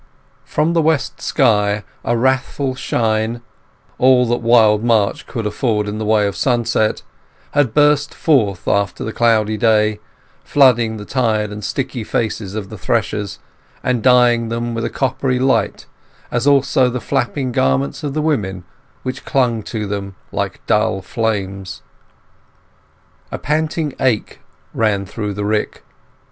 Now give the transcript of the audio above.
From the west sky a wrathful shine—all that wild March could afford in the way of sunset—had burst forth after the cloudy day, flooding the tired and sticky faces of the threshers, and dyeing them with a coppery light, as also the flapping garments of the women, which clung to them like dull flames. A panting ache ran through the rick.